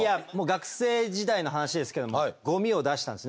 学生時代の話ですけどもゴミを出したんですね。